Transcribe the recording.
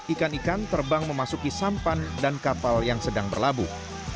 ikan ikan terbang memasuki sampan dan kapal yang sedang berlabuh